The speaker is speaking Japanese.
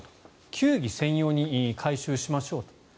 球技専用に改修しましょうと。